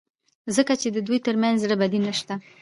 ځکه چې د دوی ترمنځ زړه بدي نشته.